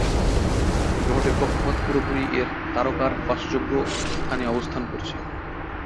গ্রহটির কক্ষপথ পুরোপুরি এর তারকার বাসযোগ্য স্থানে অবস্থান করছে।